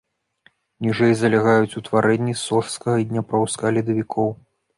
Ніжэй залягаюць утварэнні сожскага і дняпроўскага ледавікоў.